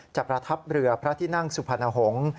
จะประทับเรือพระทินั่งสุพนหงศ์